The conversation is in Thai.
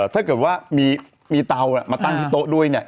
ถ้าเกิดว่ามีเตามาตั้งที่โต๊ะด้วยเนี่ย